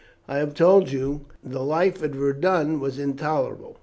I have told you that the life at Verdun was intolerable.